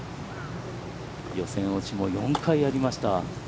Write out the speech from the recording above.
予選落ちも４回ありました。